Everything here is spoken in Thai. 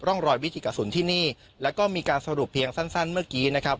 ร่องรอยวิถีกระสุนที่นี่แล้วก็มีการสรุปเพียงสั้นเมื่อกี้นะครับ